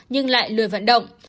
nhưng lại lười vận động